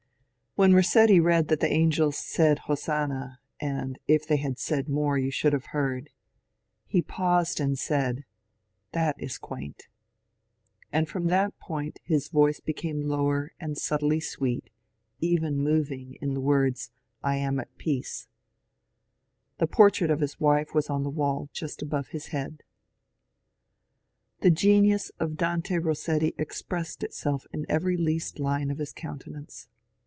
When Rossetti read that tbe angels said ^^ Hosanna ; and if they bad said more, you should have beard," be paused and said, ^^ That is quaint ;" and from that point his voice became lower and subtly sweet, even moving, in tbe words ^^ I am at peace." Tbe portrait of his wife was on the wall just above bis head. Tbe genius of Dante Rossetti expressed itself in every least line of bis countenance.